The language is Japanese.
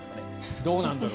どうなんだろう。